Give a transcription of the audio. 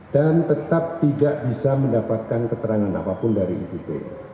dan tetap tidak bisa mendapatkan keterangan apapun dari ibu p